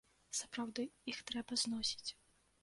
Сапраўды, іх трэба зносіць.